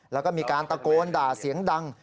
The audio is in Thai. แล้วก็มีการตะโกนด่าเสียงดัง